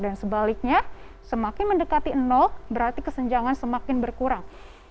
dan sebaliknya semakin mendekati berarti kesenjangan semakin berkurang